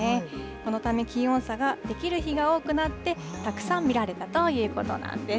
そのため気温差ができる日が多くなって、たくさん見られたということなんです。